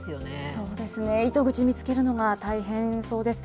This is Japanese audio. そうですね、糸口見つけるのが大変そうです。